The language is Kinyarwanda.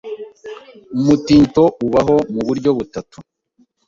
umutingito ubaho muburyo butatu